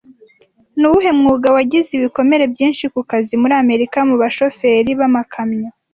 Ni uwuhe mwuga wagize ibikomere byinshi ku kazi muri Amerika mu Abashoferi b'amakamyo